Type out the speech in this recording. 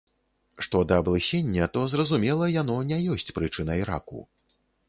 Што да аблысення, то, зразумела, яно не ёсць прычынай раку.